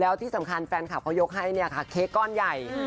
แล้วที่สำคัญแฟนคลับเขายกให้เนี่ยค่ะเค้กก้อนใหญ่